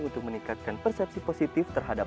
untuk meningkatkan persepsi positif terhadap